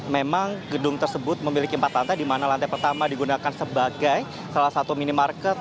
memang gedung tersebut memiliki empat lantai di mana lantai pertama digunakan sebagai salah satu minimarket